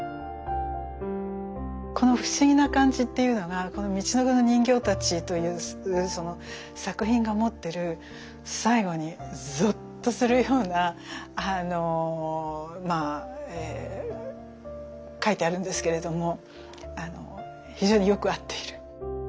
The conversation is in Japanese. この不思議な感じっていうのがこの「みちのくの人形たち」というその作品が持ってる最後にゾッとするようなあのまあええ書いてあるんですけれども非常によく合っている。